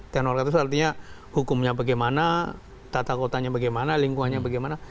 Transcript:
tenoritas artinya hukumnya bagaimana tata kotanya bagaimana lingkungannya bagaimana